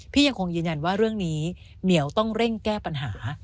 ยังคงยืนยันว่าเรื่องนี้เหมียวต้องเร่งแก้ปัญหา